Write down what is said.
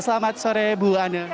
selamat sore ibu anne